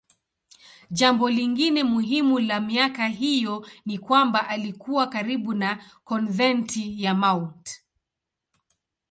Jambo lingine muhimu la miaka hiyo ni kwamba alikuwa karibu na konventi ya Mt.